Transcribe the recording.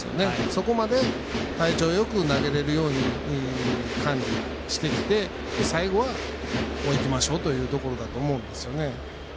そこまで、体調をよく投げられるように管理してきて最後は、もういきましょうというところだと思うんですよね。